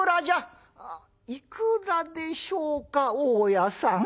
「いくらでしょうか大家さん」。